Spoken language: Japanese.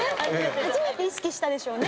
初めて意識したでしょうね。